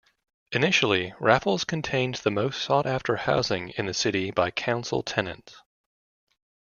Initially Raffles contained the most sought after housing in the city by council tenants.